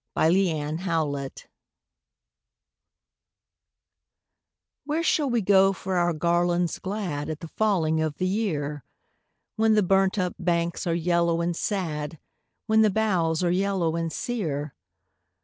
A Song of Autumn "Where shall we go for our garlands glad At the falling of the year, When the burnt up banks are yellow and sad, When the boughs are yellow and sere?